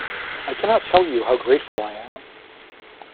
I cannot tell you how grateful I am.